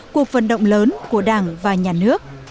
cuộc vận động lớn của đảng và nhà nước